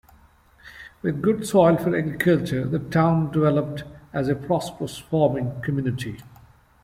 With good soil for agriculture, the town developed as a prosperous farming community.